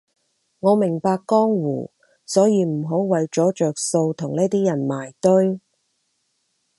我明白江湖，所以唔好為咗着數同呢啲人埋堆